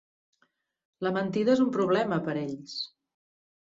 La mentida és un problema per a ells.